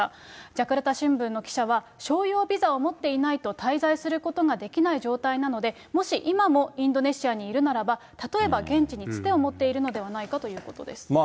じゃかるた新聞の記者は、商用ビザを持っていないと滞在することができない状態なので、もし今もインドネシアにいるならば、例えば現地につてを持っているのではないかということです。